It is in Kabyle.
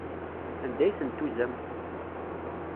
Anda ay tent-tuzam?